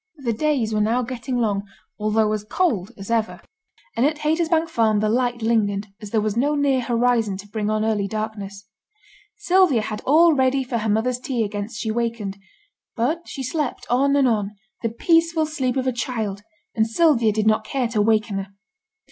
The days were now getting long, although as cold as ever; and at Haytersbank Farm the light lingered, as there was no near horizon to bring on early darkness. Sylvia had all ready for her mother's tea against she wakened; but she slept on and on, the peaceful sleep of a child, and Sylvia did not care to waken her.